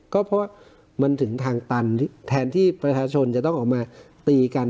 ก็เพราะว่ามันถึงทางตันแทนที่ประชาชนจะต้องออกมาตีกัน